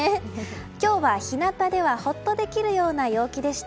今日は日なたではほっとできるような陽気でした。